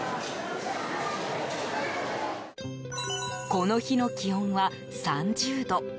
この日の気温は、３０度。